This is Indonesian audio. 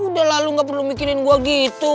udah lah lo gak perlu mikirin gue gitu